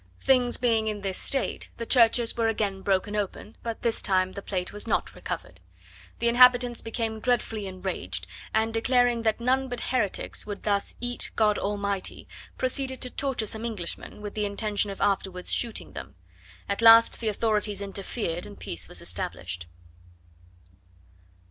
Things being in this state, the churches were again broken open, but this time the plate was not recovered. The inhabitants became dreadfully enraged, and declaring that none but heretics would thus "eat God Almighty," proceeded to torture some Englishmen, with the intention of afterwards shooting them. At last the authorities interfered, and peace was established.